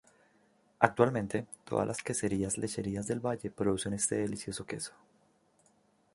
Actualmente, todas las queserías-lecherías del valle producen este delicioso queso.